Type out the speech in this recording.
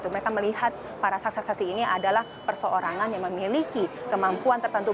mereka melihat para saksi saksi ini adalah perseorangan yang memiliki kemampuan tertentu